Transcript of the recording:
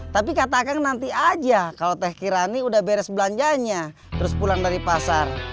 tapi katakan nanti aja kalau teh kirani udah beres belanjanya terus pulang dari pasar